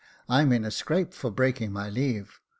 I'm in a scrape for breaking my leave.